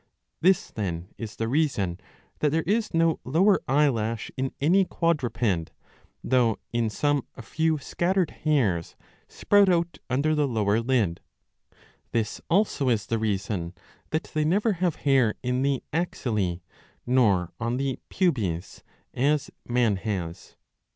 This then is the reason that there is no lower eyelash in any quadruped ; though in some a few scattered hairs sprout out under the lower lid,^ This also is the reason that they never have hair in the axillae, nor on the pubes, as man has.